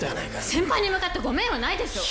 先輩に向かって「ごめん」はないでしょ！